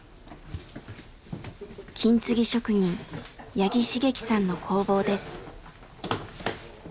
金継ぎ職人八木茂樹さんの工房です。